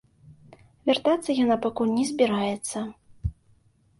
Вяртацца яна пакуль не збіраецца.